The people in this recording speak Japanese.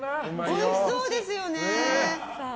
おいしそうですよね！